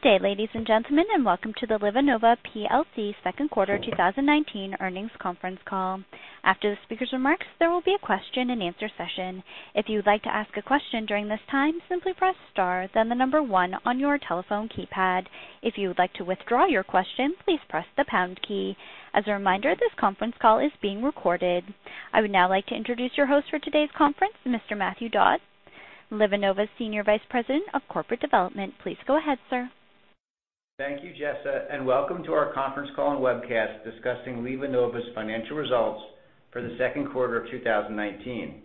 Good day, ladies and gentlemen, and welcome to the LivaNova PLC second quarter 2019 earnings conference call. After the speaker's remarks, there will be a question and answer session. If you would like to ask a question during this time, simply press star, then the number one on your telephone keypad. If you would like to withdraw your question, please press the pound key. As a reminder, this conference call is being recorded. I would now like to introduce your host for today's conference, Mr. Matthew Dodds, LivaNova's Senior Vice President of Corporate Development. Please go ahead, sir. Thank you, Jessa, and welcome to our conference call and webcast discussing LivaNova's financial results for the second quarter of 2019.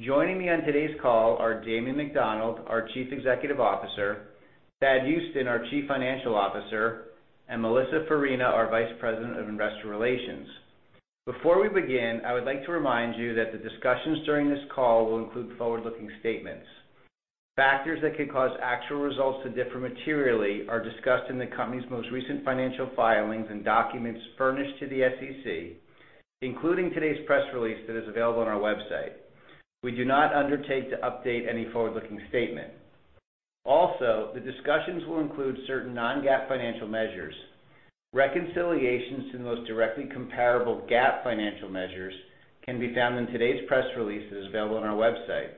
Joining me on today's call are Damien McDonald, our Chief Executive Officer, Thad Huston, our Chief Financial Officer, and Melissa Farina, our Vice President of Investor Relations. Before we begin, I would like to remind you that the discussions during this call will include forward-looking statements. Factors that could cause actual results to differ materially are discussed in the company's most recent financial filings and documents furnished to the SEC, including today's press release that is available on our website. We do not undertake to update any forward-looking statement. Also, the discussions will include certain non-GAAP financial measures. Reconciliations to the most directly comparable GAAP financial measures can be found in today's press release that is available on our website.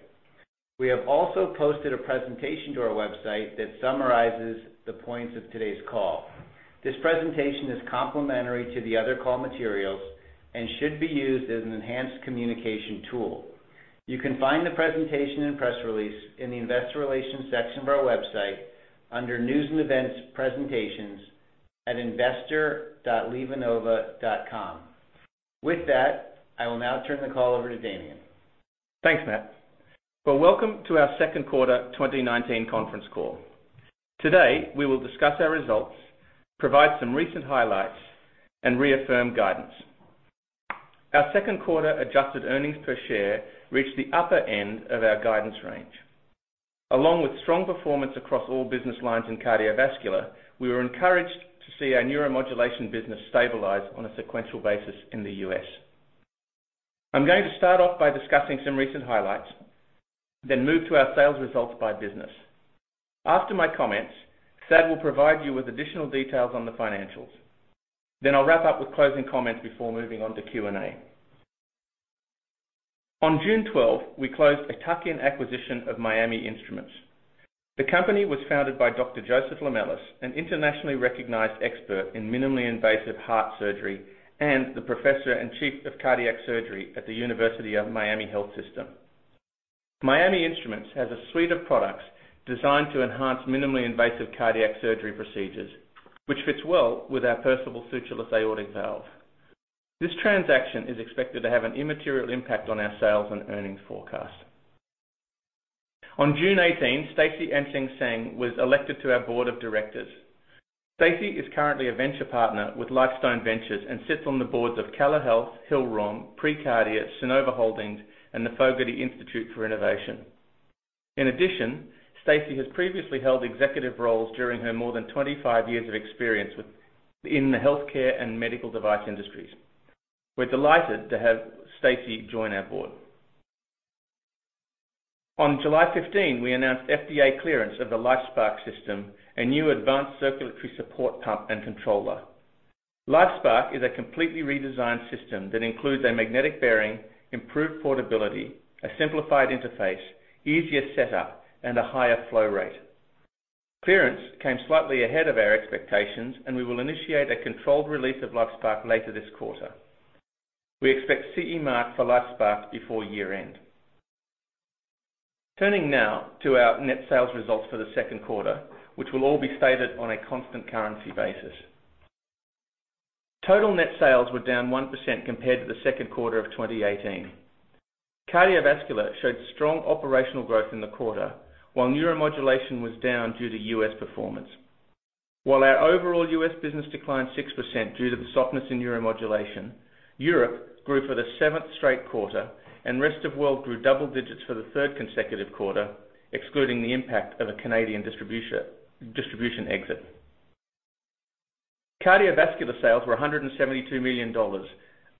We have also posted a presentation to our website that summarizes the points of today's call. This presentation is complementary to the other call materials and should be used as an enhanced communication tool. You can find the presentation and press release in the Investor Relations section of our website under News & Events, Presentations at investor.livanova.com. With that, I will now turn the call over to Damien. Thanks, Matt. Well, welcome to our second quarter 2019 conference call. Today, we will discuss our results, provide some recent highlights, and reaffirm guidance. Our second quarter adjusted earnings per share reached the upper end of our guidance range. Along with strong performance across all business lines in cardiovascular, we were encouraged to see our Neuromodulation business stabilize on a sequential basis in the U.S. I'm going to start off by discussing some recent highlights, then move to our sales results by business. After my comments, Thad will provide you with additional details on the financials. I'll wrap up with closing comments before moving on to Q&A. On June 12th, we closed a tuck-in acquisition of Miami Instruments. The company was founded by Dr. Joseph Lamelas, an internationally recognized expert in minimally invasive heart surgery and the Professor and Chief of Cardiac Surgery at the University of Miami Health System. Miami Instruments has a suite of products designed to enhance minimally invasive cardiac surgery procedures, which fits well with our Perceval sutureless aortic valve. This transaction is expected to have an immaterial impact on our sales and earnings forecast. On June 18, Stacy Enxing Seng was elected to our Board of Directors. Stacy is currently a Venture Partner with Lightstone Ventures and sits on the boards of Cala Health, Hill-Rom, preCARDIA, Sonova Holding, and the Fogarty Institute for Innovation. In addition, Stacy has previously held executive roles during her more than 25 years of experience in the healthcare and medical device industries. We're delighted to have Stacy join our board. On July 15, we announced FDA clearance of the LifeSPARC system, a new advanced circulatory support pump and controller. LifeSPARC is a completely redesigned system that includes a magnetic bearing, improved portability, a simplified interface, easier setup, and a higher flow rate. Clearance came slightly ahead of our expectations, and we will initiate a controlled release of LifeSPARC later this quarter. We expect CE mark for LifeSPARC before year-end. Turning now to our net sales results for the second quarter, which will all be stated on a constant currency basis. Total net sales were down 1% compared to the second quarter of 2018. Cardiovascular showed strong operational growth in the quarter, while Neuromodulation was down due to U.S. performance. While our overall U.S. business declined 6% due to the softness in Neuromodulation, Europe grew for the seventh straight quarter, and rest of world grew double digits for the third consecutive quarter, excluding the impact of a Canadian distribution exit. Cardiovascular sales were $172 million,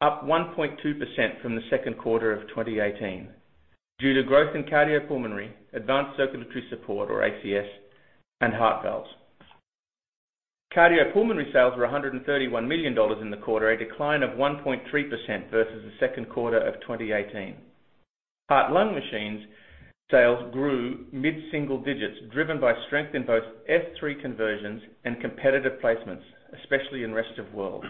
up 1.2% from the second quarter of 2018 due to growth in cardiopulmonary, advanced circulatory support, or ACS, and heart valves. Cardiopulmonary sales were $131 million in the quarter, a decline of 1.3% versus the second quarter of 2018. Heart-lung machines sales grew mid-single digits, driven by strength in both S3 conversions and competitive placements, especially in rest of world.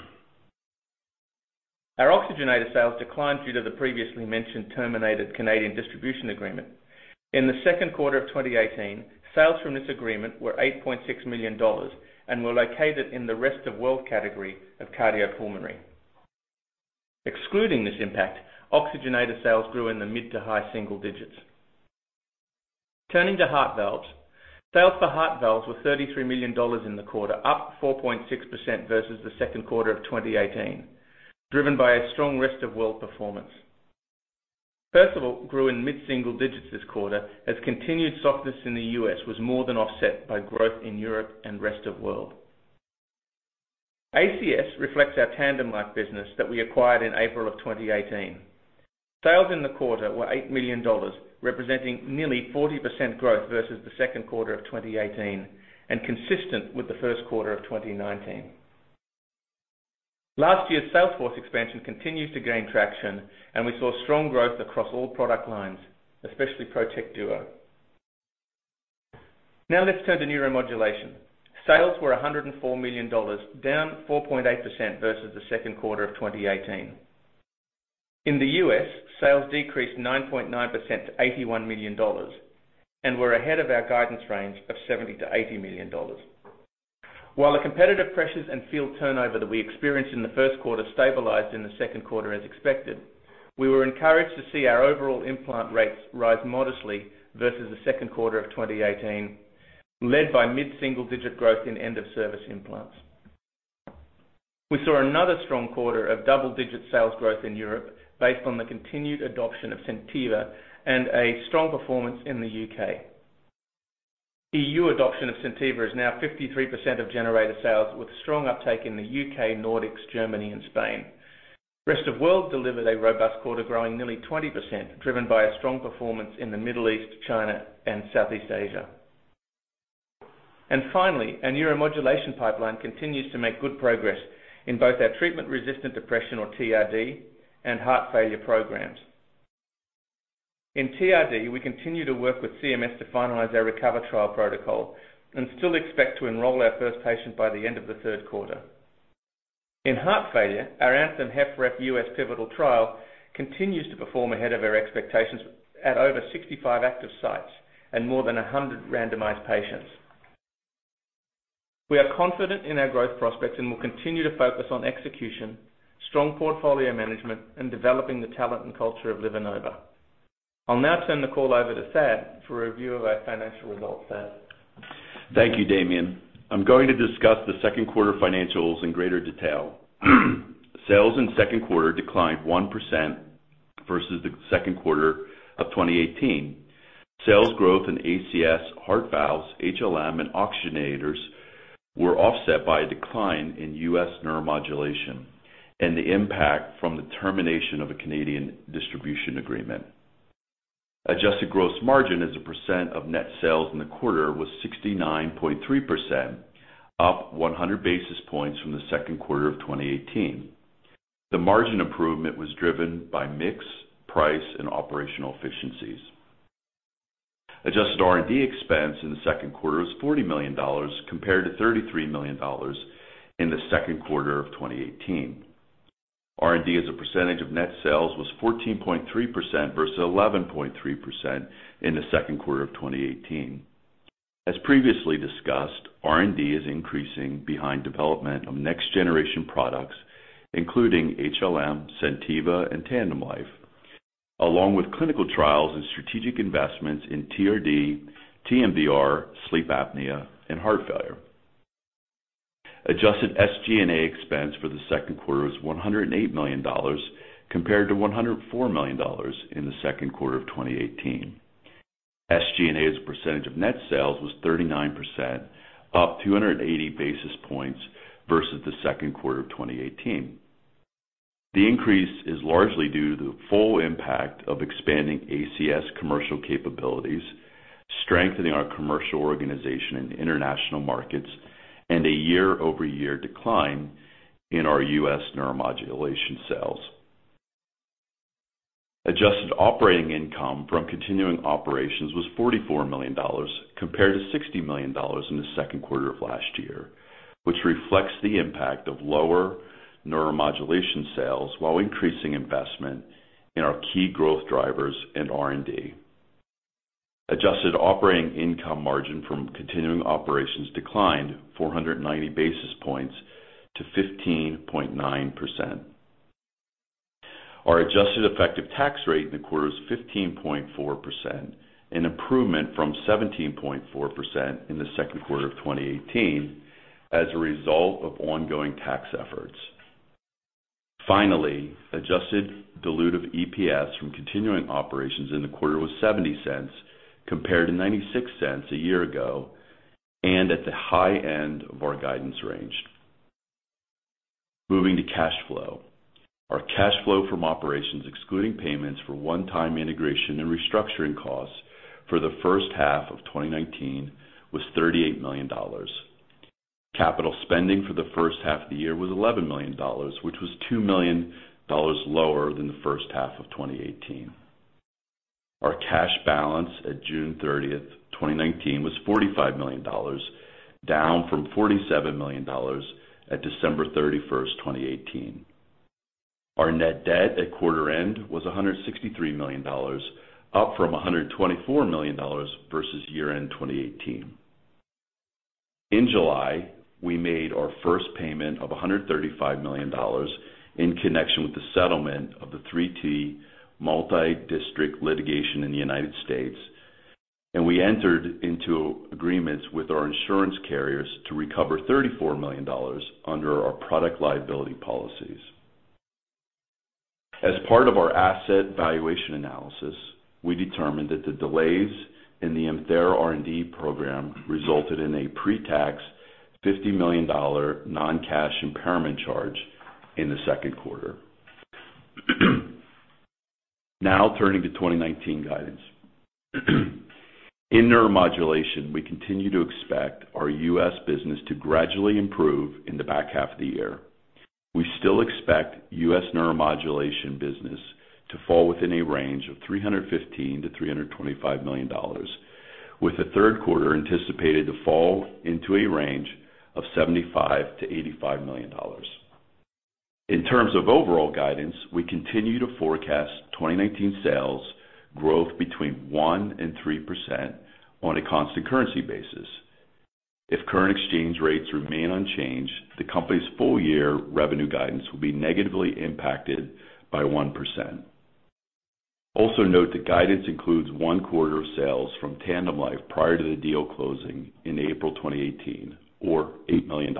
Our oxygenator sales declined due to the previously mentioned terminated Canadian distribution agreement. In the second quarter of 2018, sales from this agreement were $8.6 million and were located in the rest of world category of cardiopulmonary. Excluding this impact, oxygenator sales grew in the mid to high single digits. Turning to heart valves. Sales for heart valves were $33 million in the quarter, up 4.6% versus the second quarter of 2018, driven by a strong rest of world performance. Perceval grew in mid-single digits this quarter as continued softness in the U.S. was more than offset by growth in Europe and rest of world. ACS reflects our TandemLife business that we acquired in April of 2018. Sales in the quarter were $8 million, representing nearly 40% growth versus the second quarter of 2018, and consistent with the first quarter of 2019. Last year's sales force expansion continues to gain traction, and we saw strong growth across all product lines, especially ProtekDuo. Now let's turn to Neuromodulation. Sales were $104 million, down 4.8% versus the second quarter of 2018. In the U.S., sales decreased 9.9% to $81 million and were ahead of our guidance range of $70 million-$80 million. While the competitive pressures and field turnover that we experienced in the first quarter stabilized in the second quarter as expected, we were encouraged to see our overall implant rates rise modestly versus the second quarter of 2018, led by mid-single digit growth in end-of-service implants. We saw another strong quarter of double-digit sales growth in Europe based on the continued adoption of SenTiva and a strong performance in the U.K. EU adoption of SenTiva is now 53% of generator sales, with strong uptake in the U.K., Nordics, Germany, and Spain. Rest of World delivered a robust quarter, growing nearly 20%, driven by a strong performance in the Middle East, China, and Southeast Asia. Finally, our Neuromodulation pipeline continues to make good progress in both our treatment-resistant depression, or TRD, and heart failure programs. In TRD, we continue to work with CMS to finalize our RECOVER trial protocol and still expect to enroll our first patient by the end of the third quarter. In heart failure, our ANTHEM-HFrEF pivotal trial continues to perform ahead of our expectations at over 65 active sites and more than 100 randomized patients. We are confident in our growth prospects and will continue to focus on execution, strong portfolio management, and developing the talent and culture of LivaNova. I'll now turn the call over to Thad for a review of our financial results. Thad? Thank you, Damien. I'm going to discuss the second quarter financials in greater detail. Sales in the second quarter declined 1% versus the second quarter of 2018. Sales growth in ACS, heart valves, HLM, and oxygenators were offset by a decline in U.S. Neuromodulation and the impact from the termination of a Canadian distribution agreement. Adjusted gross margin as a percent of net sales in the quarter was 69.3%, up 100 basis points from the second quarter of 2018. The margin improvement was driven by mix, price, and operational efficiencies. Adjusted R&D expense in the second quarter was $40 million compared to $33 million in the second quarter of 2018. R&D as a percentage of net sales was 14.3% versus 11.3% in the second quarter of 2018. As previously discussed, R&D is increasing behind development of next-generation products, including HLM, SenTiva, and TandemLife, along with clinical trials and strategic investments in TRD, TMVR, sleep apnea, and heart failure. Adjusted SG&A expense for the second quarter was $108 million, compared to $104 million in the second quarter of 2018. SG&A as a percentage of net sales was 39%, up 280 basis points versus the second quarter of 2018. The increase is largely due to the full impact of expanding ACS commercial capabilities, strengthening our commercial organization in international markets, and a year-over-year decline in our U.S. Neuromodulation sales. Adjusted operating income from continuing operations was $44 million, compared to $60 million in the second quarter of last year, which reflects the impact of lower Neuromodulation sales while increasing investment in our key growth drivers and R&D. Adjusted operating income margin from continuing operations declined 490 basis points to 15.9%. Our adjusted effective tax rate in the quarter was 15.4%, an improvement from 17.4% in the second quarter of 2018 as a result of ongoing tax efforts. Finally, adjusted diluted EPS from continuing operations in the quarter was $0.70, compared to $0.96 a year ago, and at the high end of our guidance range. Moving to cash flow. Our cash flow from operations, excluding payments for one-time integration and restructuring costs for the first half of 2019 was $38 million. Capital spending for the first half of the year was $11 million, which was $2 million lower than the first half of 2018. Our cash balance at June 30th, 2019, was $45 million, down from $47 million at December 31st, 2018. Our net debt at quarter end was $163 million, up from $124 million versus year-end 2018. In July, we made our first payment of $135 million in connection with the settlement of the 3T multi-district litigation in the United States, and we entered into agreements with our insurance carriers to recover $34 million under our product liability policies. As part of our asset valuation analysis, we determined that the delays in the ImThera R&D program resulted in a pre-tax $50 million non-cash impairment charge in the second quarter. Now, turning to 2019 guidance. In Neuromodulation, we continue to expect our U.S. business to gradually improve in the back half of the year. We still expect U.S. Neuromodulation business to fall within a range of $315 million-$325 million, with the third quarter anticipated to fall into a range of $75 million-$85 million. In terms of overall guidance, we continue to forecast 2019 sales growth between 1% and 3% on a constant currency basis. If current exchange rates remain unchanged, the company's full-year revenue guidance will be negatively impacted by 1%. Also note that guidance includes one quarter of sales from TandemLife prior to the deal closing in April 2018 or $8 million.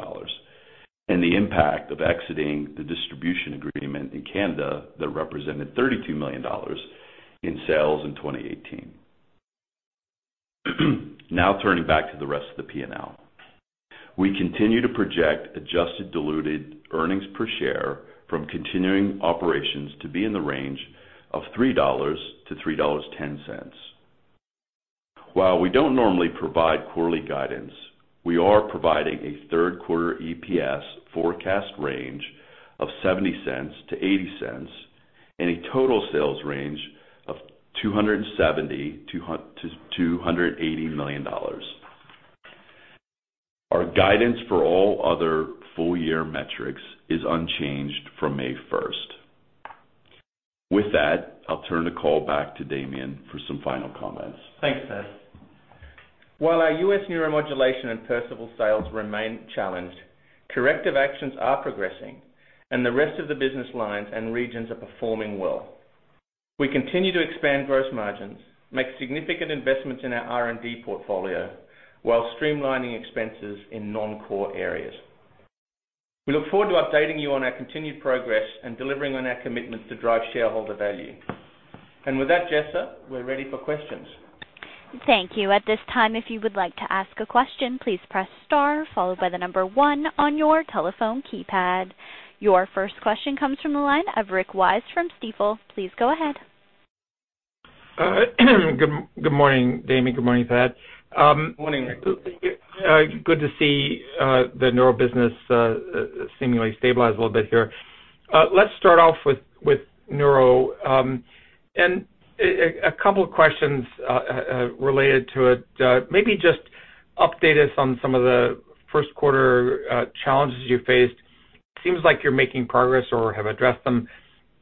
The impact of exiting the distribution agreement in Canada that represented $32 million in sales in 2018. Now turning back to the rest of the P&L. We continue to project adjusted diluted earnings per share from continuing operations to be in the range of $3-$3.10. While we don't normally provide quarterly guidance, we are providing a third quarter EPS forecast range of $0.70-$0.80 and a total sales range of $270 million-$280 million. Our guidance for all other full-year metrics is unchanged from May 1st. With that, I'll turn the call back to Damien for some final comments. Thanks, Thad. While our U.S. Neuromodulation and Perceval sales remain challenged, corrective actions are progressing, and the rest of the business lines and regions are performing well. We continue to expand gross margins, make significant investments in our R&D portfolio while streamlining expenses in non-core areas. We look forward to updating you on our continued progress and delivering on our commitments to drive shareholder value. With that, Jessa, we're ready for questions. Thank you. At this time, if you would like to ask a question, please press star followed by the number one on your telephone keypad. Your first question comes from the line of Rick Wise from Stifel. Please go ahead. Good morning, Damien. Good morning, Thad. Morning, Rick. Good to see the Neuro business seemingly stabilize a little bit here. Let's start off with Neuro. A couple of questions related to it. Maybe just update us on some of the first quarter challenges you faced. Seems like you're making progress or have addressed them.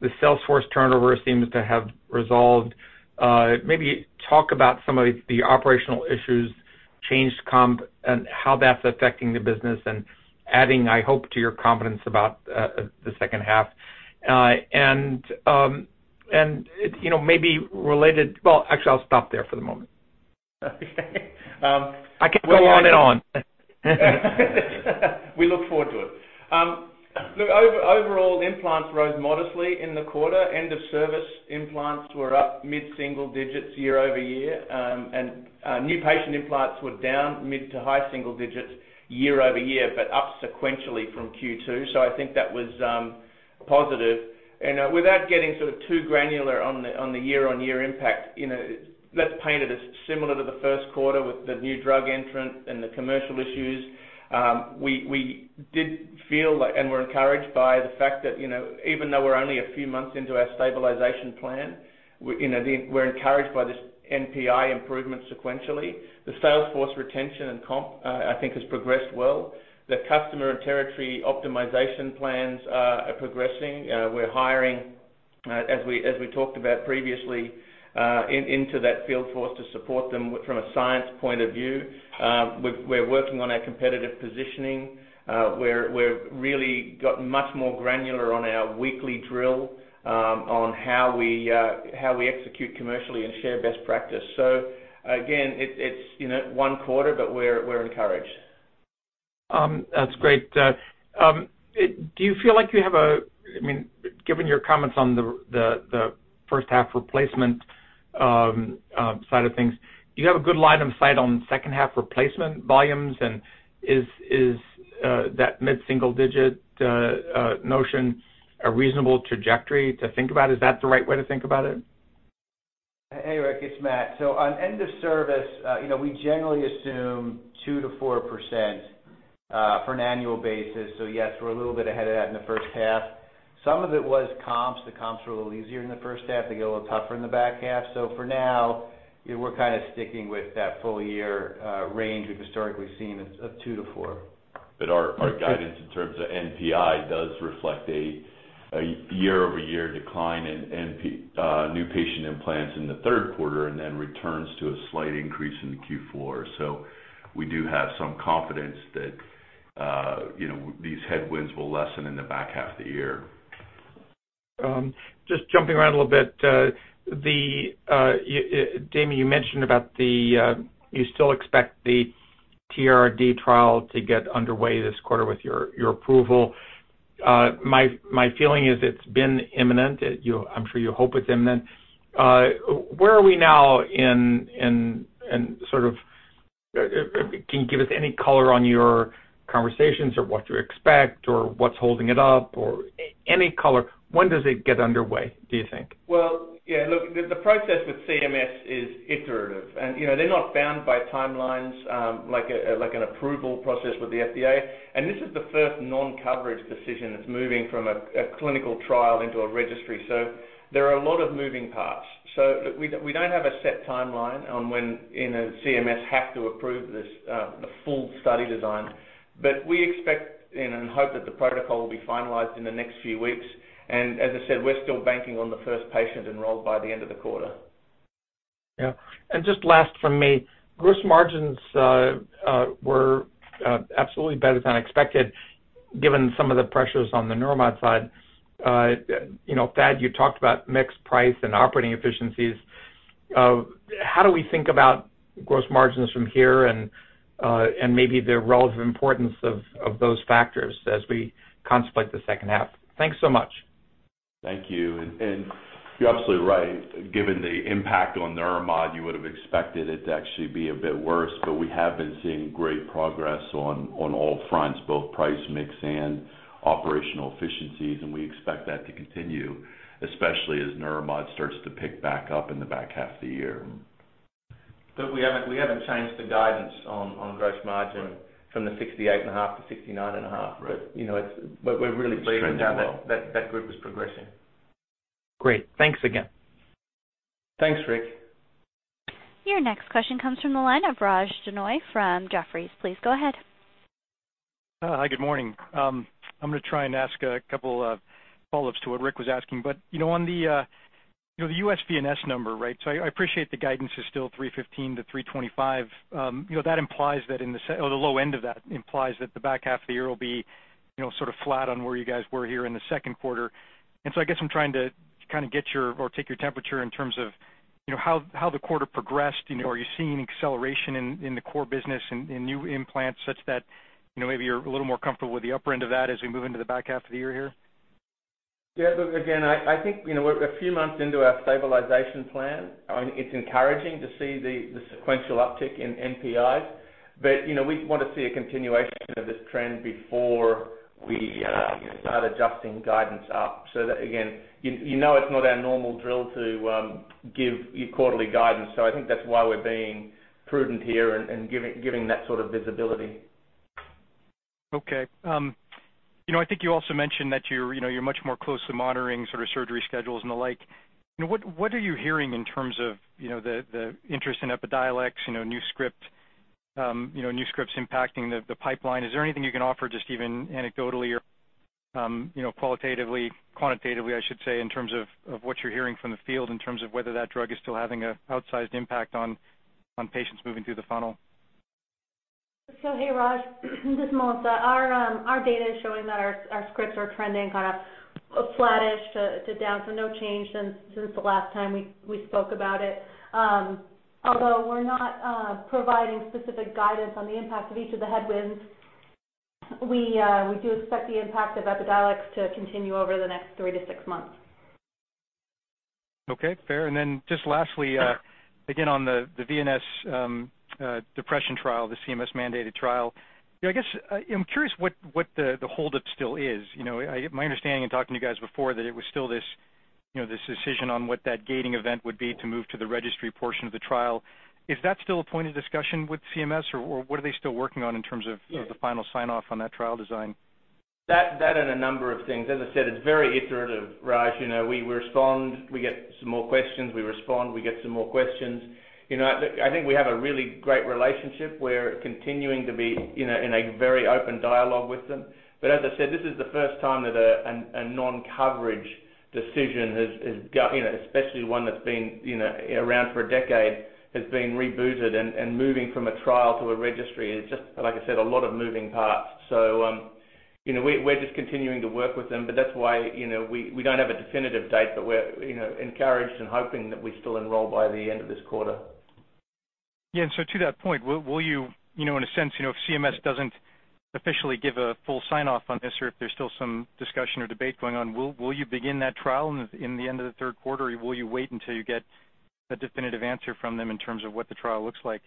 The sales force turnover seems to have resolved. Maybe talk about some of the operational issues, changed comp, and how that's affecting the business and adding, I hope, to your confidence about the second half. Maybe related. Well, actually, I'll stop there for the moment. I can go on and on. We look forward to it. Overall, implants rose modestly in the quarter. End of service implants were up mid-single digits year-over-year. New patient implants were down mid to high single digits year-over-year, but up sequentially from Q2. I think that was positive. Without getting sort of too granular on the year-on-year impact, let's paint it as similar to the first quarter with the new drug entrant and the commercial issues. We did feel and were encouraged by the fact that even though we're only a few months into our stabilization plan, we're encouraged by this NPI improvement sequentially. The sales force retention and comp, I think, has progressed well. The customer and territory optimization plans are progressing. We're hiring, as we talked about previously, into that field force to support them from a science point of view. We're working on our competitive positioning. We've really gotten much more granular on our weekly drill on how we execute commercially and share best practice. Again, it's one quarter, but we're encouraged. That's great. Do you feel like you have, given your comments on the first half replacement side of things, do you have a good line of sight on second half replacement volumes? Is that mid-single digit notion a reasonable trajectory to think about? Is that the right way to think about it? Hey, Rick, it's Matt. On end of service, we generally assume 2%-4% for an annual basis. Yes, we're a little bit ahead of that in the first half. Some of it was comps. The comps were a little easier in the first half. They get a little tougher in the back half. For now, we're kind of sticking with that full-year range we've historically seen of 2%-4%. Our guidance in terms of NPI does reflect a year-over-year decline in new patient implants in the third quarter and then returns to a slight increase in the Q4. We do have some confidence that these headwinds will lessen in the back half of the year. Just jumping around a little bit. Damien, you mentioned about you still expect the TRD trial to get underway this quarter with your approval. My feeling is it's been imminent. I'm sure you hope it's imminent. Where are we now and can you give us any color on your conversations or what to expect or what's holding it up or any color? When does it get underway, do you think? Well, yeah, look, the process with CMS is iterative, and they're not bound by timelines like an approval process with the FDA. This is the first non-coverage decision that's moving from a clinical trial into a registry. There are a lot of moving parts. Look, we don't have a set timeline on when CMS have to approve this, the full study design. We expect and hope that the protocol will be finalized in the next few weeks. As I said, we're still banking on the first patient enrolled by the end of the quarter. Yeah. Just last from me, gross margins were absolutely better than expected given some of the pressures on the Neuromod side. Thad, you talked about mix price and operating efficiencies. How do we think about gross margins from here and maybe the relative importance of those factors as we contemplate the second half? Thanks so much. Thank you. You're absolutely right. Given the impact on Neuromod, you would've expected it to actually be a bit worse. We have been seeing great progress on all fronts, both price mix and operational efficiencies, and we expect that to continue, especially as Neuromod starts to pick back up in the back half of the year. We haven't changed the guidance on gross margin from the 68.5%-69.5%. Right. We're really pleased with how that group is progressing. It's trending well. Great. Thanks again. Thanks, Rick. Your next question comes from the line of Raj Denhoy from Jefferies. Please go ahead. Hi, good morning. I'm gonna try and ask a couple of follow-ups to what Rick was asking. On the U.S. VNS number, right, so I appreciate the guidance is still $315 million-$325 million. The low end of that implies that the back half of the year will be sort of flat on where you guys were here in the second quarter. I guess I'm trying to kind of get your or take your temperature in terms of how the quarter progressed. Are you seeing acceleration in the core business and in new implants such that maybe you're a little more comfortable with the upper end of that as we move into the back half of the year here? Yeah, look, again, I think we're a few months into our stabilization plan. It's encouraging to see the sequential uptick in NPI, but we'd want to see a continuation of this trend before we start adjusting guidance up. Again, you know it's not our normal drill to give you quarterly guidance, so I think that's why we're being prudent here and giving that sort of visibility. Okay. I think you also mentioned that you're much more closely monitoring sort of surgery schedules and the like. What are you hearing in terms of the interest in Epidiolex, new scripts impacting the pipeline? Is there anything you can offer, just even anecdotally or qualitatively, quantitatively, I should say, in terms of what you're hearing from the field in terms of whether that drug is still having an outsized impact on patients moving through the funnel? Hey, Raj. This is Melissa. Our data is showing that our scripts are trending kind of flattish to down, so no change since the last time we spoke about it. Although we're not providing specific guidance on the impact of each of the headwinds, we do expect the impact of Epidiolex to continue over the next three to six months. Okay, fair. Just lastly, again, on the VNS depression trial, the CMS-mandated trial. I guess, I'm curious what the holdup still is? My understanding in talking to you guys before, that it was still this decision on what that gating event would be to move to the registry portion of the trial. Is that still a point of discussion with CMS, or what are they still working on in terms of the final sign-off on that trial design? That and a number of things. As I said, it's very iterative, Raj. We respond, we get some more questions, we respond, we get some more questions. I think we have a really great relationship. We're continuing to be in a very open dialogue with them. As I said, this is the first time that a non-coverage decision, especially one that's been around for decade, has been rebooted and moving from a trial to a registry is just, like I said, a lot of moving parts. We're just continuing to work with them, but that's why we don't have a definitive date, but we're encouraged and hoping that we still enroll by the end of this quarter. Yeah, to that point, in a sense, if CMS doesn't officially give a full sign-off on this or if there's still some discussion or debate going on, will you begin that trial in the end of the third quarter, or will you wait until you get a definitive answer from them in terms of what the trial looks like?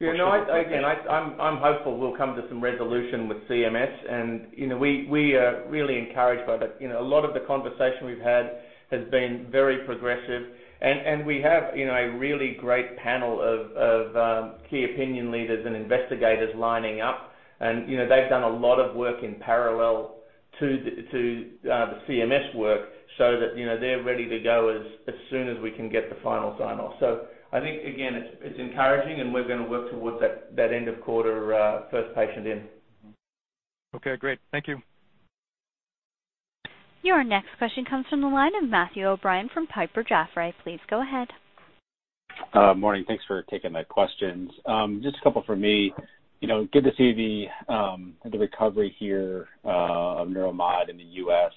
Yeah. Again, I'm hopeful we'll come to some resolution with CMS, and we are really encouraged by that. A lot of the conversation we've had has been very progressive, and we have a really great panel of key opinion leaders and investigators lining up. They've done a lot of work in parallel to the CMS work so that they're ready to go as soon as we can get the final sign-off. I think, again, it's encouraging, and we're gonna work towards that end of quarter, first patient in. Okay, great. Thank you. Your next question comes from the line of Matthew O'Brien from Piper Jaffray. Please go ahead. Morning. Thanks for taking my questions. Just a couple from me. Good to see the recovery here of Neuromod in the U.S.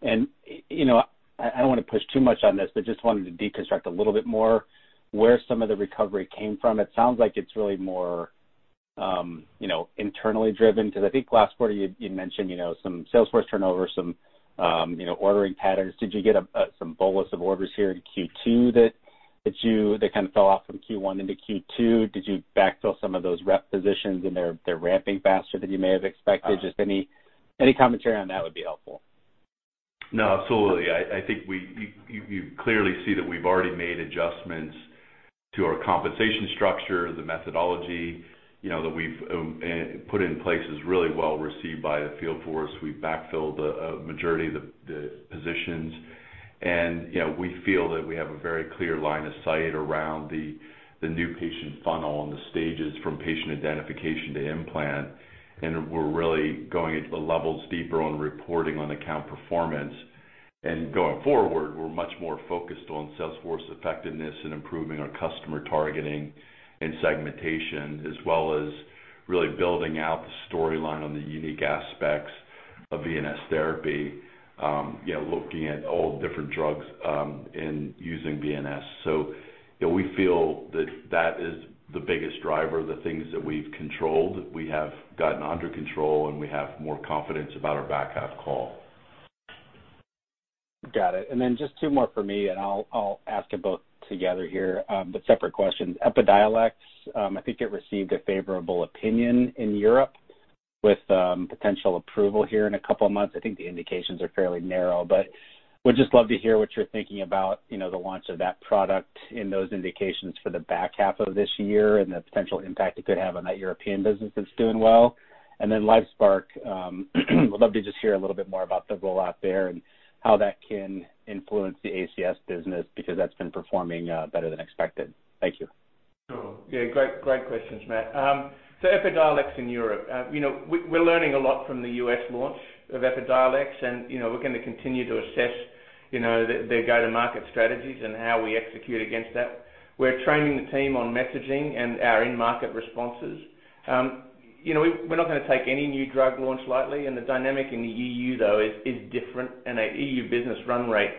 I don't want to push too much on this, but just wanted to deconstruct a little bit more where some of the recovery came from. It sounds like it's really more internally driven, because I think last quarter you'd mentioned some sales force turnover, some ordering patterns. Did you get some bolus of orders here in Q2 that kind of fell off from Q1 into Q2? Did you backfill some of those rep positions and they're ramping faster than you may have expected? Just any commentary on that would be helpful. No, absolutely. I think you clearly see that we've already made adjustments to our compensation structure. The methodology that we've put in place is really well received by the field force. We backfilled a majority of the positions, and we feel that we have a very clear line of sight around the new patient funnel and the stages from patient identification to implant. We're really going levels deeper on the reporting on account performance. Going forward, we're much more focused on sales force effectiveness and improving our customer targeting and segmentation, as well as really building out the storyline on the unique aspects of VNS Therapy, looking at all different drugs in using VNS. We feel that that is the biggest driver of the things that we've controlled, that we have gotten under control, and we have more confidence about our back half call. Got it. Just two more for me, and I'll ask it both together here, but separate questions. Epidiolex, I think it received a favorable opinion in Europe with potential approval here in a couple of months. I think the indications are fairly narrow, but would just love to hear what you're thinking about the launch of that product in those indications for the back half of this year and the potential impact it could have on that European business that's doing well. LifeSPARC, would love to just hear a little bit more about the rollout there and how that can influence the ACS business, because that's been performing better than expected. Thank you. Sure. Yeah, great questions, Matt. Epidiolex in Europe. We're learning a lot from the U.S. launch of Epidiolex, and we're going to continue to assess their go-to-market strategies and how we execute against that. We're training the team on messaging and our in-market responses. We're not going to take any new drug launch lightly, and the dynamic in the EU, though, is different. Our EU business run rate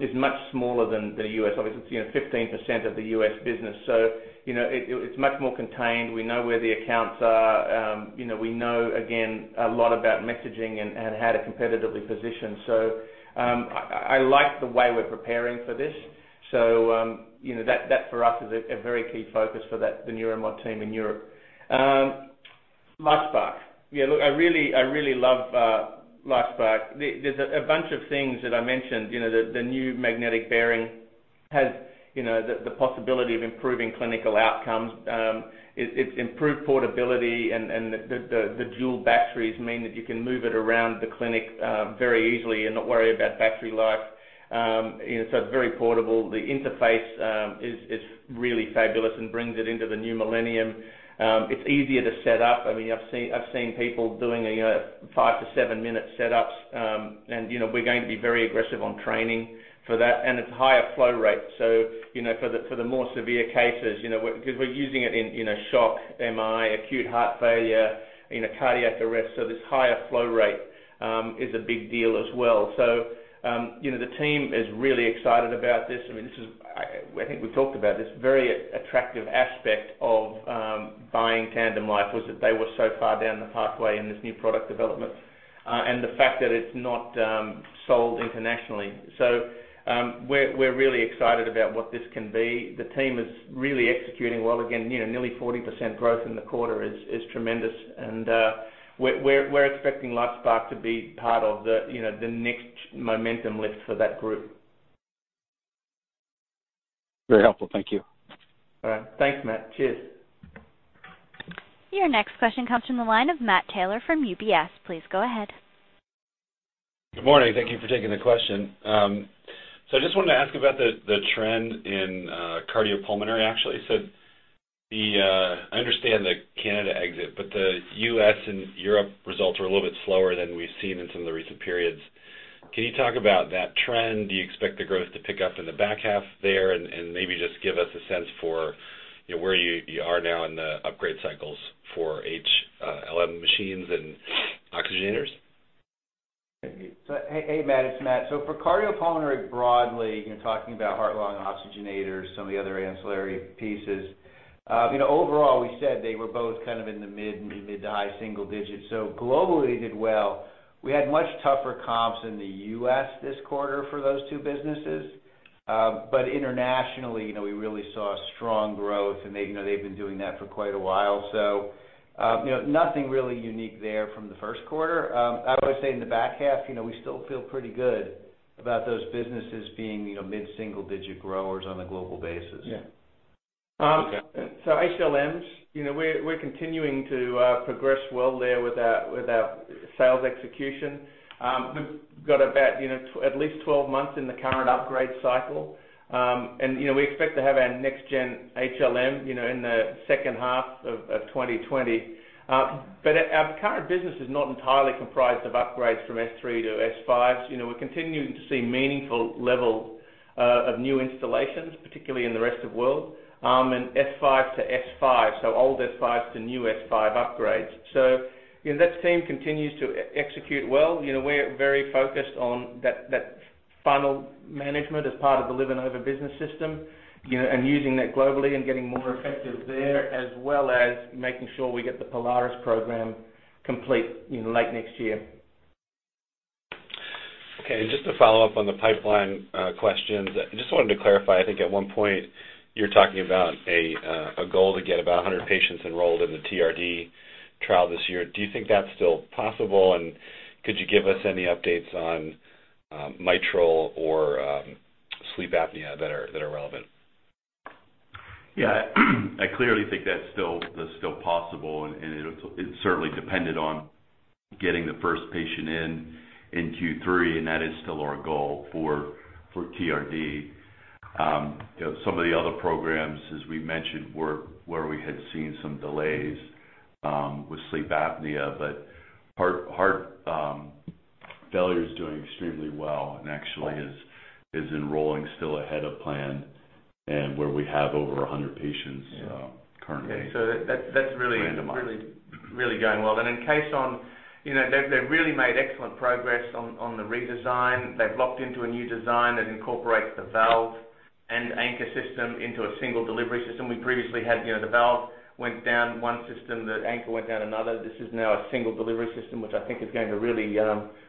is much smaller than the U.S. Obviously, it's 15% of the U.S. business, so it's much more contained. We know where the accounts are. We know, again, a lot about messaging and how to competitively position. I like the way we're preparing for this. That for us is a very key focus for the Neuromod team in Europe. LifeSPARC. Yeah, look, I really love LifeSPARC. There's a bunch of things that I mentioned, the new magnetic bearing has the possibility of improving clinical outcomes. It's improved portability and the dual batteries mean that you can move it around the clinic very easily and not worry about battery life. It's very portable. The interface is really fabulous and brings it into the new millennium. It's easier to set up. I've seen people doing five to seven minute setups, and we're going to be very aggressive on training for that. It's higher flow rate. For the more severe cases, because we're using it in shock, MI, acute heart failure, cardiac arrest, so this higher flow rate is a big deal as well. The team is really excited about this. I think we've talked about this very attractive aspect of buying TandemLife, was that they were so far down the pathway in this new product development, and the fact that it's not sold internationally. We're really excited about what this can be. The team is really executing well. Again, nearly 40% growth in the quarter is tremendous. We're expecting LifeSPARC to be part of the next momentum lift for that group. Very helpful. Thank you. All right. Thanks, Matt. Cheers. Your next question comes from the line of Matt Taylor from UBS. Please go ahead. Good morning. Thank you for taking the question. I just wanted to ask about the trend in cardiopulmonary, actually. I understand the Canada exit, but the U.S. and Europe results are a little bit slower than we've seen in some of the recent periods. Can you talk about that trend? Do you expect the growth to pick up in the back half there? Maybe just give us a sense for where you are now in the upgrade cycles for HLM machines and oxygenators. Hey, Matt, it's Matt. For cardiopulmonary, broadly, talking about heart-lung oxygenators, some of the other ancillary pieces, overall, we said they were both kind of in the mid to high single digits. Globally, they did well. We had much tougher comps in the U.S. this quarter for those two businesses. Internationally, we really saw strong growth, and they've been doing that for quite a while. Nothing really unique there from the first quarter. I would say in the back half, we still feel pretty good about those businesses being mid-single digit growers on a global basis. Yeah. Okay. HLMs, we're continuing to progress well there with our sales execution. We've got about at least 12 months in the current upgrade cycle. We expect to have our next gen HLM in the second half of 2020. Our current business is not entirely comprised of upgrades from S3 to S5s. We're continuing to see meaningful levels of new installations, particularly in the rest of world, and S5 to S5, so old S5 to new S5 upgrades. That team continues to execute well. We're very focused on that funnel management as part of the LivaNova business system, and using that globally and getting more effective there, as well as making sure we get the Polaris program complete late next year. Okay, just to follow up on the pipeline questions. I just wanted to clarify, I think at one point you were talking about a goal to get about 100 patients enrolled in the TRD trial this year. Do you think that's still possible? Could you give us any updates on mitral or sleep apnea that are relevant? Yeah. I clearly think that's still possible, and it certainly depended on getting the first patient in in Q3, and that is still our goal for TRD. Some of the other programs, as we mentioned, where we had seen some delays with sleep apnea, but heart failure is doing extremely well and actually is enrolling still ahead of plan and where we have over 100 patients currently randomized. That's really going well. In Caisson, they've really made excellent progress on the redesign. They've locked into a new design that incorporates the valve and anchor system into a single delivery system. We previously had the valve went down one system, the anchor went down another. This is now a single delivery system, which I think is going to really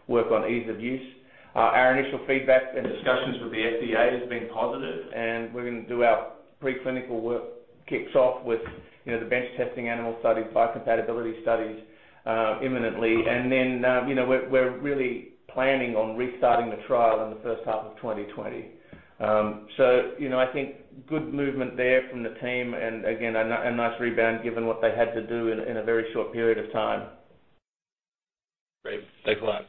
work on ease of use. Our initial feedback and discussions with the FDA has been positive, and we're going to do our preclinical work, kicks off with the bench testing animal studies, biocompatibility studies imminently. We're really planning on restarting the trial in the first half of 2020. I think good movement there from the team, and again, a nice rebound given what they had to do in a very short period of time. Great. Thanks a lot.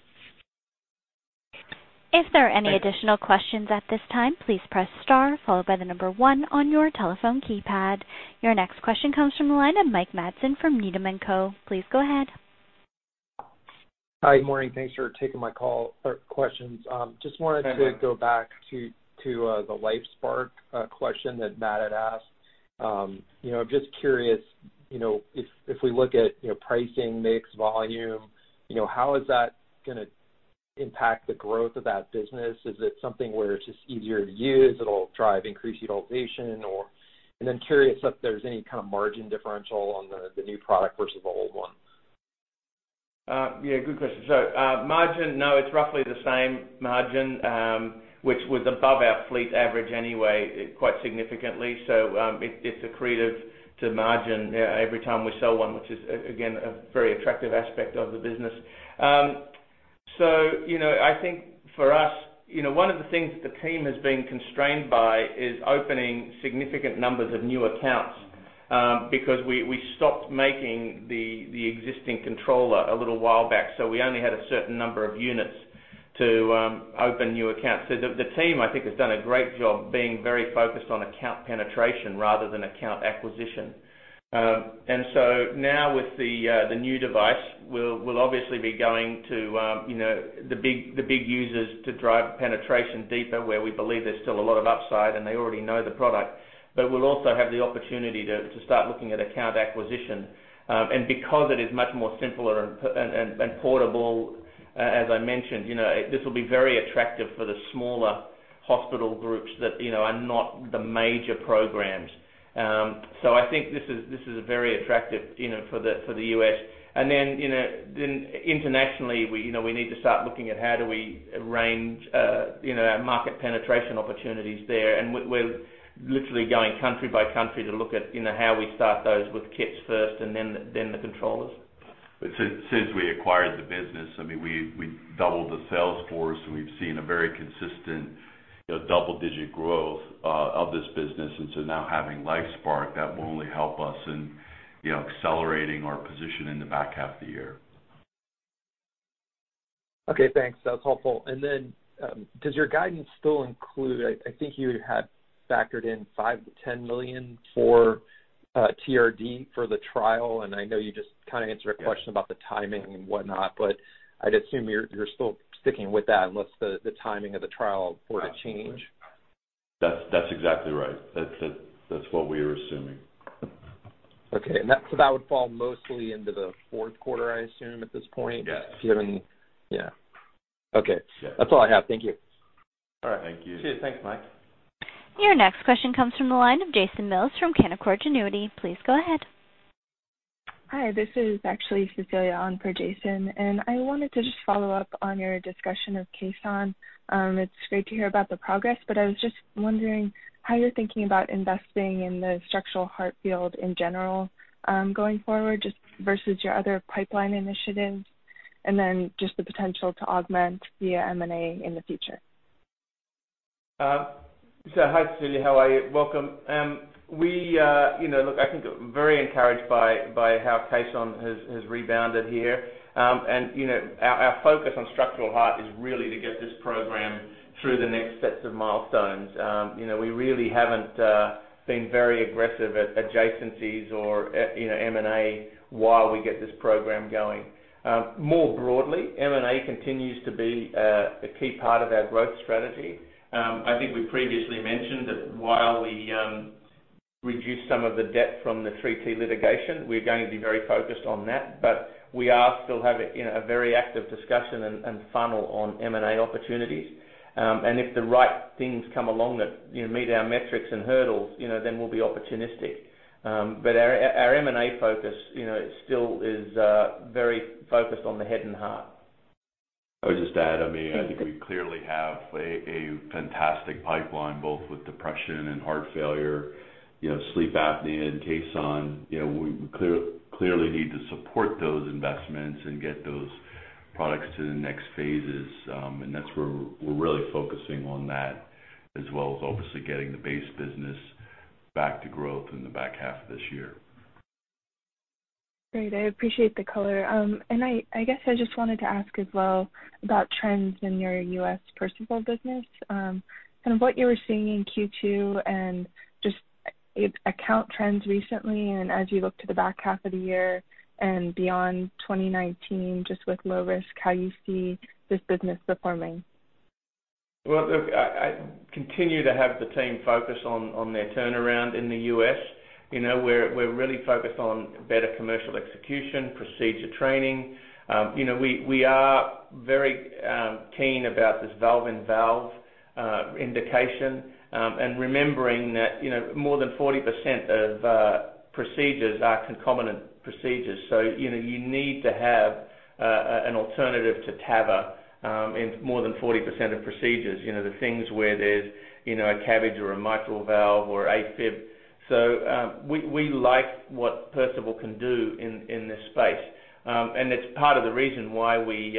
If there are any additional questions at this time, please press star followed by the number one on your telephone keypad. Your next question comes from the line of Mike Matson from Needham & Company. Please go ahead. Hi. Good morning. Thanks for taking my call or questions. Just want to go back to the LifeSPARC question that Matt had asked. I'm just curious, if we look at pricing, mix, volume, how is that gonna impact the growth of that business? Is it something where it's just easier to use, it'll drive increased utilization, or then curious if there's any kind of margin differential on the new product versus the old one. Yeah, good question. Margin, no, it's roughly the same margin, which was above our fleet average anyway, quite significantly. It's accretive to margin every time we sell one, which is, again, a very attractive aspect of the business. I think for us, one of the things that the team has been constrained by is opening significant numbers of new accounts, because we stopped making the existing controller a little while back. We only had a certain number of units to open new accounts. The team, I think, has done a great job being very focused on account penetration rather than account acquisition. Now with the new device, we'll obviously be going to the big users to drive penetration deeper, where we believe there's still a lot of upside, and they already know the product. We'll also have the opportunity to start looking at account acquisition. Because it is much more simpler and portable, as I mentioned, this will be very attractive for the smaller hospital groups that are not the major programs. I think this is very attractive for the U.S. Internationally, we need to start looking at how do we arrange our market penetration opportunities there. We're literally going country by country to look at how we start those with kits first and then the controllers. Since we acquired the business, I mean, we doubled the sales force, and we've seen a very consistent double-digit growth of this business. Now having LifeSPARC, that will only help us in accelerating our position in the back half of the year. Okay, thanks. That was helpful. Does your guidance still include, I think you had factored in $5 million-$10 million for TRD for the trial. I know you just kind of answered a question about the timing and whatnot, but I'd assume you're still sticking with that unless the timing of the trial were to change. That's exactly right. That's what we are assuming. Okay. That would fall mostly into the fourth quarter, I assume, at this point? Yes. Okay. That's all I have. Thank you. All right. Thank you. Cheers. Thanks, Mike. Your next question comes from the line of Jason Mills from Canaccord Genuity. Please go ahead. Hi, this is actually Cecilia on for Jason, and I wanted to just follow up on your discussion of Caisson. It's great to hear about the progress, but I was just wondering how you're thinking about investing in the structural heart field in general, going forward, just versus your other pipeline initiatives and then just the potential to augment via M&A in the future. Hi, Cecilia. How are you? Welcome. Look, I think very encouraged by how Caisson has rebounded here. Our focus on structural heart is really to get this program through the next sets of milestones. We really haven't been very aggressive at adjacencies or M&A while we get this program going. More broadly, M&A continues to be a key part of our growth strategy. I think we previously mentioned that while we reduce some of the debt from the 3T litigation, we're going to be very focused on that. We are still having a very active discussion and funnel on M&A opportunities. If the right things come along that meet our metrics and hurdles, then we'll be opportunistic. Our M&A focus still is very focused on the head and heart. I would just add, I think we clearly have a fantastic pipeline, both with depression and heart failure, sleep apnea, and Caisson. We clearly need to support those investments and get those products to the next phases, and that's where we're really focusing on that, as well as obviously getting the base business back to growth in the back half of this year. Great. I appreciate the color. I guess I just wanted to ask as well about trends in your U.S. Perceval business, kind of what you were seeing in Q2 and just account trends recently and as you look to the back half of the year and beyond 2019, just with low risk, how you see this business performing. Well, look, I continue to have the team focus on their turnaround in the U.S. We're really focused on better commercial execution, procedure training. We are very keen about this valve-in-valve indication. Remembering that more than 40% of procedures are concomitant procedures. You need to have an alternative to TAVR in more than 40% of procedures, the things where there's a CABG or a mitral valve or AFib. We like what Perceval can do in this space. It's part of the reason why we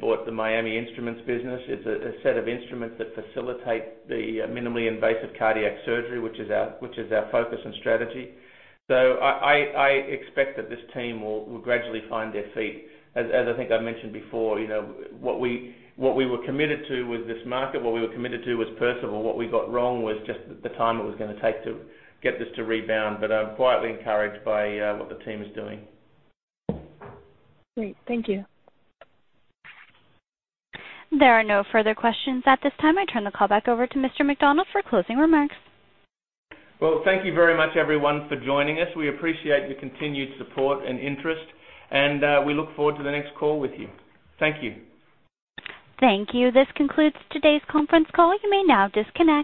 bought the Miami Instruments business. It's a set of instruments that facilitate the minimally invasive cardiac surgery, which is our focus and strategy. I expect that this team will gradually find their feet. As I think I've mentioned before, what we were committed to was this market. What we were committed to was Perceval. What we got wrong was just the time it was going to take to get this to rebound. I'm quietly encouraged by what the team is doing. Great. Thank you. There are no further questions at this time. I turn the call back over to Mr. McDonald for closing remarks. Well, thank you very much, everyone, for joining us. We appreciate your continued support and interest, and we look forward to the next call with you. Thank you. Thank you. This concludes today's conference call. You may now disconnect.